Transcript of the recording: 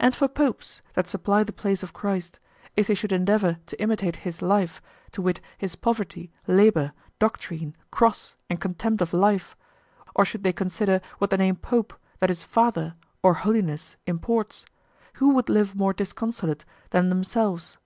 And for popes, that supply the place of Christ, if they should endeavor to imitate His life, to wit His poverty, labor, doctrine, cross, and contempt of life, or should they consider what the name pope, that is father, or holiness, imports, who would live more disconsolate than themselves?